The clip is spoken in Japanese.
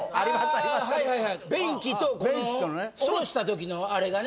あはいはい便器とこの下ろした時のあれがね。